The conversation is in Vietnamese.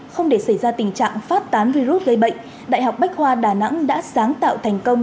không để xảy ra tình trạng phát tán virus gây bệnh đại học bách khoa đà nẵng đã sáng tạo thành công